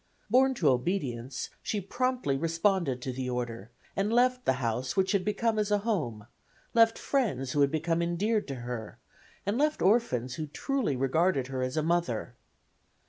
Born to obedience she promptly responded to the order, and left the house which had become as a home; left friends who had become endeared to her, and left orphans who truly regarded her as a mother.